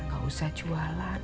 gak usah jualan